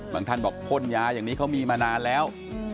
ท่านบอกพ่นยาอย่างนี้เขามีมานานแล้ว